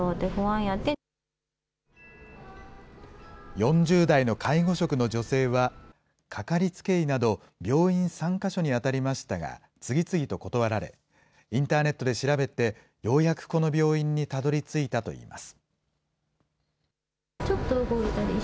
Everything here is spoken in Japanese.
４０代の介護職の女性は、かかりつけ医など、病院３か所に当たりましたが、次々と断られ、インターネットで調べて、ようやく、この病院にたどりついたといいます。